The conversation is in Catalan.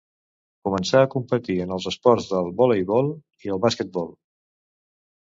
Començà a competir en els esports del voleibol i el basquetbol.